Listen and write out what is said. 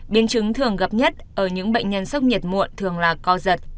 biến chứng thường gặp nhất ở những bệnh nhân sốc nhiệt muộn thường là co giật